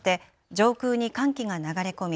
上空に寒気が流れ込み